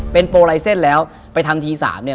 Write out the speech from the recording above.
เป็นโปรไลเซ็นต์แล้วไปทำทีสามเนี่ย